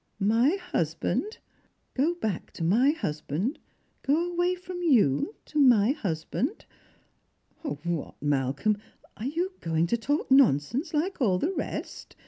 My husband ! Go back to my husband, go away from you to my husband ! What, Malcolm, are you going to talk nonsense like all the rest